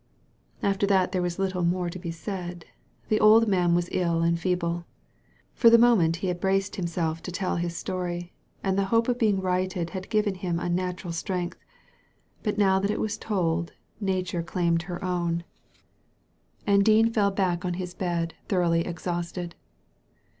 After that there was little more to be said. The old man was ill and feeble. For the moment he had braced himself to tell his story, and the hope of being righted had given him unnatural strength; but now that all was told, Nature claimed her own, Digitized by Google 250 THE LADY FROM NOWHERE and Dean fell back on his bed thoroughly exhausted.